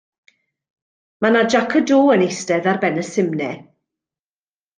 Mae 'na jac y do yn eistedd ar ben y simne.